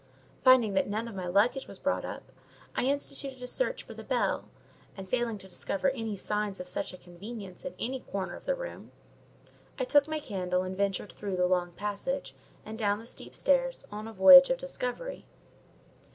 Finding that none of my luggage was brought up, I instituted a search for the bell; and failing to discover any signs of such a convenience in any corner of the room, I took my candle and ventured through the long passage, and down the steep stairs, on a voyage of discovery.